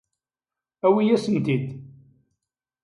Awi-asen-t-id.